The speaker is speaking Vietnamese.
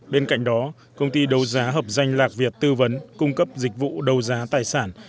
bên cạnh đó công ty đấu giá hợp danh lạc việt tư vấn cung cấp dịch vụ đấu giá tài sản